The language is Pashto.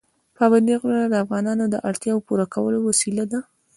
پابندي غرونه د افغانانو د اړتیاوو پوره کولو وسیله ده.